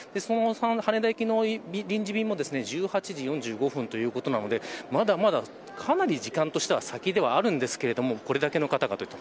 羽田行きの臨時便も１８時４５分ということなのでかなり時間としては先ではありますがこれだけの方がいる。